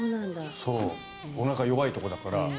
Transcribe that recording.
おなか、弱いところだから。